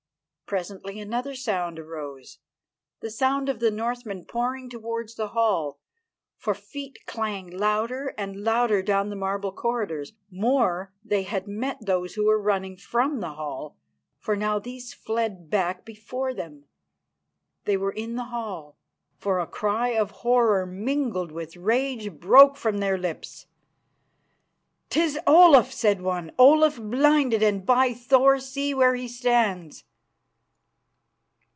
Presently another sound arose, the sound of the Northmen pouring towards the hall, for feet clanged louder and louder down the marble corridors. More, they had met those who were running from the hall, for now these fled back before them. They were in the hall, for a cry of horror, mingled with rage, broke from their lips. "'Tis Olaf," said one, "Olaf blinded, and, by Thor, see where he stands!"